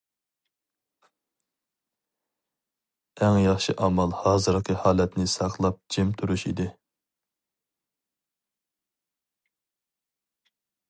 ئەڭ ياخشى ئامال ھازىرقى ھالەتنى ساقلاپ جىم تۇرۇش ئىدى.